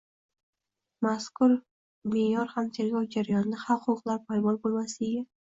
Mazkur me’yor ham tergov jarayonida haq-huquqlar poymol bo‘lmasligiga